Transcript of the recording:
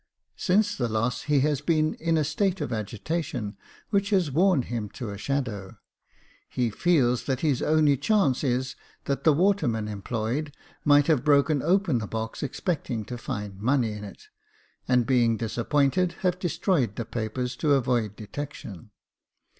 Since the loss, he has been in a state of agitation which has worn him to a shadow. He feels that his only chance is that the waterman employed might have broken open the box, expecting to find money in it, and being disappointed, have destroyed the papers to avoid detection.